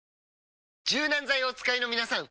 柔軟剤をお使いのみなさん！